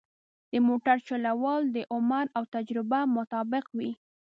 د موټر چلول د عمر او تجربه مطابق وي.